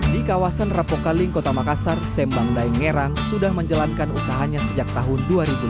di kawasan rapokaling kota makassar sembangdaeng ngerang sudah menjalankan usahanya sejak tahun dua ribu lima belas